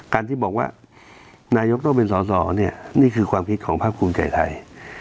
การที่บอกว่านายกต้องเป็นสอสอเนี่ยนี่คือความคิดของภาคภูมิใจไทย